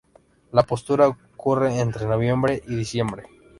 La postura ocurre entre noviembre y diciembre.